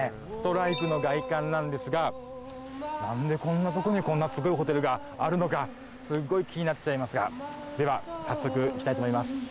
ストライプの外観なんですが何でこんなとこにこんなすごいホテルがあるのかすっごい気になっちゃいますがでは早速行きたいと思います